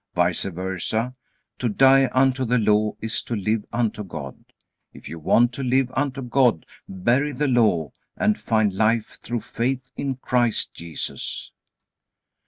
Vice versa, to die unto the Law is to live unto God. If you want to live unto God, bury the Law, and find life through faith in Christ Jesus.